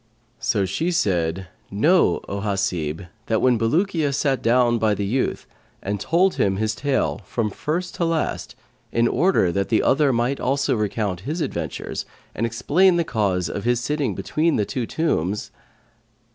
So she said: "Know, O Hasib, that when Bulukiya sat down by the youth and told him his tale, from first to last, in order that the other might also recount his adventures and explain the cause of his sitting between the two tombs."